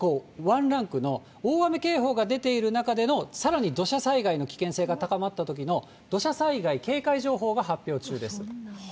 ワンランクの、大雨警報が出ている中での、さらに土砂災害の危険性が高まったときの、土砂災害警戒情報が発表中です。